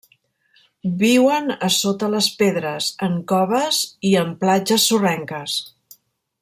Viuen a sota les pedres, en coves i en platges sorrenques.